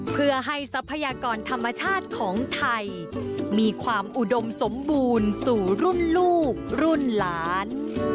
เพื่อให้ทรัพยากรธรรมชาติของไทยมีความอุดมสมบูรณ์สู่รุ่นลูกรุ่นหลาน